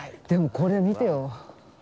でもこれ見てよ。